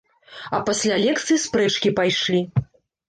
А пасля лекцыі спрэчкі пайшлі.